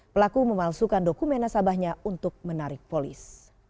pelaku memalsukan dokumen nasabahnya untuk menarik polis